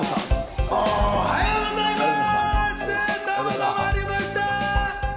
おはようございます！